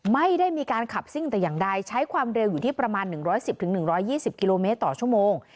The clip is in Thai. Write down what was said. ไม่ได้มีการขับซิ่งแต่อย่างใดใช้ความเร็วอยู่ที่ประมาณ๑๑๐๑๒๐กิโลเมตรต่อชั่วโมง